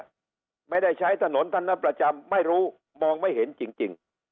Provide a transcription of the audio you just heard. แถวนั้นเนี่ยไม่ได้ใช้ถนนทันนะประจำไม่รู้มองไม่เห็นจริง